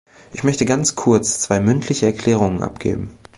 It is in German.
Ich möchte ganz kurz zwei mündliche Erklärungen abgeben.